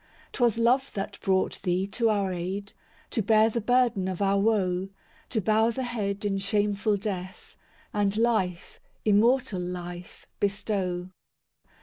II 'Twas love that brought Thee to our aid, To bear the burden of our woe, To bow the head in shameful death, And life, immortal life, bestow.